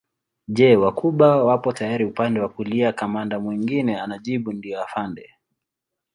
Je Wacuba wapo tayari upande wa kulia kamanda mwingine anajibu ndio afande